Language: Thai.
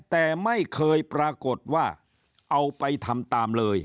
แต่ไม่เคยปรากฏว่าเอาไปทำตามเลย